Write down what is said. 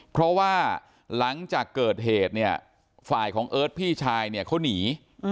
เพราะว่าหลังจากเกิดเหตุเนี่ยฝ่ายของเอิร์ทพี่ชายเนี่ยเขาหนี